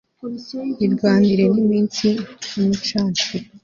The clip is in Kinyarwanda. yirwanire n'iminsi nk'umucancuro